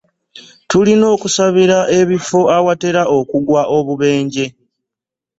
Tulina okusabira ebifo awatera okugwa obubenje.